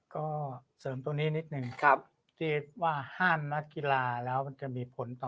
ก็เสริมตัวนี้นิดนึงที่ว่าห้ามนักกีฬาแล้วมันจะมีผลต่อ